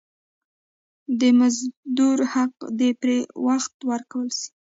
د مزدور حق دي پر وخت ورکول سي.